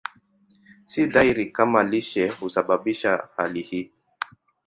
Si dhahiri kama lishe husababisha hali hii.